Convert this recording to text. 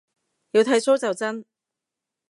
要剃鬚就真